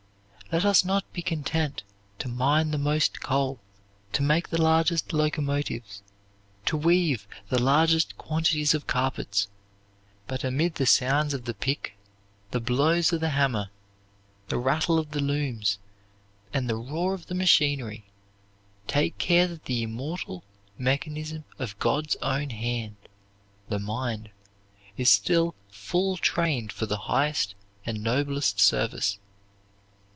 "Let us not be content to mine the most coal, to make the largest locomotives, to weave the largest quantities of carpets; but, amid the sounds of the pick, the blows of the hammer, the rattle of the looms, and the roar of the machinery, take care that the immortal mechanism of God's own hand the mind is still full trained for the highest and noblest service."